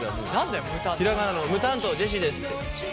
ひらがなの「む」担当ジェシーですって。